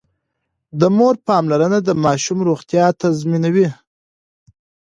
د مور پاملرنه د ماشوم روغتيا تضمينوي.